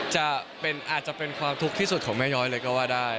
อาจจะเป็นความทุกข์ที่สุดของแม่ย้อยเลยก็ว่าได้